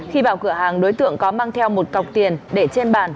khi vào cửa hàng đối tượng có mang theo một cọc tiền để trên bàn